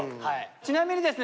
ちなみにですね